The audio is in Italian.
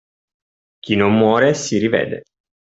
Chi non muore si rivede.